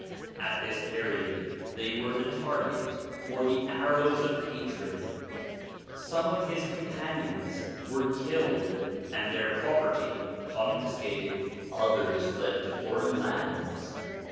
At this period they were the target for ON THE INFLUENCE OF THE PROPHETS 23 the arrows of hatred: some of his companions were killed and their property confiscated; others fled to foreign lands.